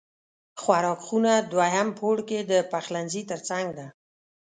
خوراک خونه دوهم پوړ کې د پخلنځی تر څنګ ده